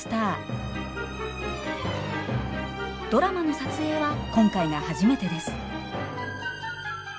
ドラマの撮影は今回が初めてです。